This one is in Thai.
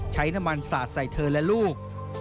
ใช้น้ำมันสาดใส่เธอและลูก